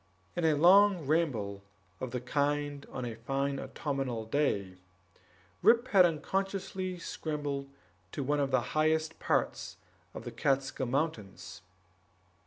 In a long ramble of the kind on a fine autumnal day, Rip had unconsciously scrambled to one of the highest parts of the Kaatskill Mountains.